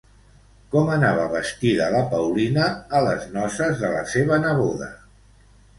Com anava vestida la Paulina a les noces de la seva neboda?